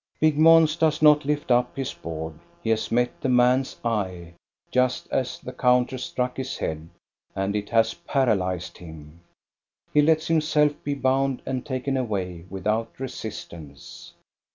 Big Mons does not lift up his board. He has met the man's eye, just as the counter struck his head, and it has paralyzed him. He lets himself be bound and taken away without resistance.